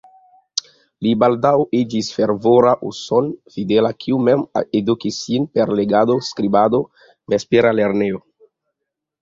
Li baldaŭ iĝis fervora uson-fidela, kiu mem edukis sin per legado, skribado, vespera lernejo.